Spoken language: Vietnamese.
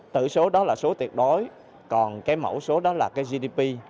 tỷ số đó là số tuyệt đối còn cái mẫu số đó là cái gdp